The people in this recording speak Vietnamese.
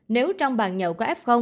nếu trong bàn nhậu có f